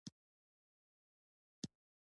د کوچنیانو لپاره اختر ډیر خوندور وي.